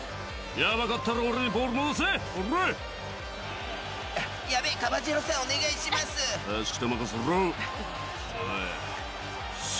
やばかったら俺にボールよこせ。